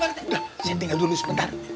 udah centi dulu sebentar